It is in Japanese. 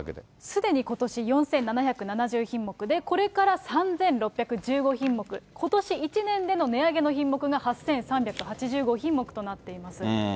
すでにことし４７７０品目で、これから３６１５品目、ことし１年での値上げの品目が８３８５品目となっています。